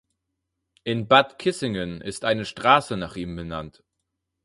In Bad Kissingen ist eine Straße nach ihm benannt.